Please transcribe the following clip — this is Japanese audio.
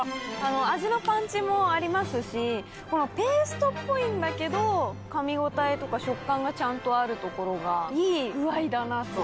味のパンチもありますしペーストっぽいんだけど噛み応えとか食感がちゃんとあるところがいい具合だなあと。